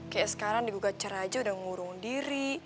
kayak sekarang digugat cera aja udah ngurung diri